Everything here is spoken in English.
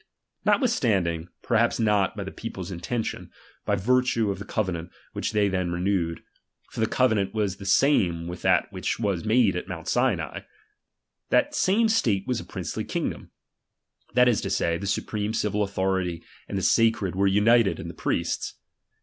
Not ^^M withstanding, (perhaps not by the people's inten ^^1 tion), by virtue of the covenant which they then ^^M renewed, (for the covenant was the same with that ^H which was made at Mount Sinai), that same state ^H was a priestly kingdom ; that is to say, the su ^H preme civil authority and the sacred were united ^H in the priests.